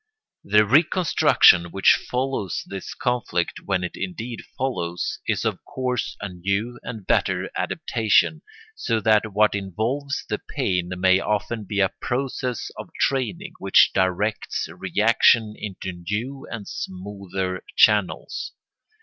The reconstruction which follows this conflict, when it indeed follows, is of course a new and better adaptation; so that what involves the pain may often be a process of training which directs reaction into new and smoother channels.